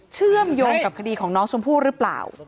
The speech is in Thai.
เชื่อมโยงกับคดีของน้องชมพู่หรือเปล่า